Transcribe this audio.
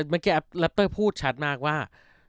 เมื่อกี้แอปรัปเตอร์พูดชัดมากว่า